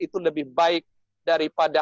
itu lebih baik daripada